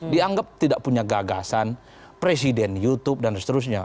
dianggap tidak punya gagasan presiden youtube dan seterusnya